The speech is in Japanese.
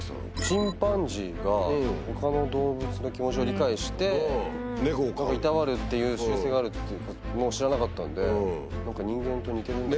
チンパンジーが他の動物の気持ちを理解していたわるっていう習性があるって知らなかったんで何か人間と似てるんだな。